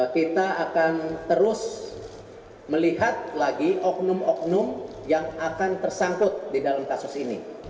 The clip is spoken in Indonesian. kita akan terus melihat lagi oknum oknum yang akan tersangkut di dalam kasus ini